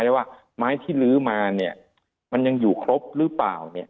ได้ว่าไม้ที่ลื้อมาเนี่ยมันยังอยู่ครบหรือเปล่าเนี่ย